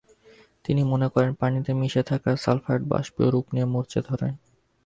তিনি মনে করেন, পানিতে মিশে থাকা সালফায়েড বাষ্পীয় রূপ নিয়ে মরচে ধরায়।